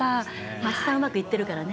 松田さんはうまくいってるからね。